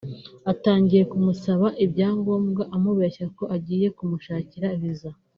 Atangiye kumusaba ibyangombwa amubeshya ko agiye kumushakira visa